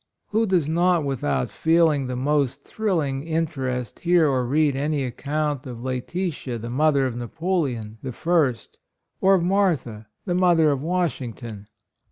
Who does not, without feel ing the most thrilling interest hear or read any account of Laetitia, the mother of Napoleon, the First, or of Martha, the mother of Wash ington.